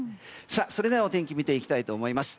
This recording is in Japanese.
それではお天気見ていきたいと思います。